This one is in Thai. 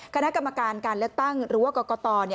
คณะกรรมการการเลือกตั้งหรือว่ากรกต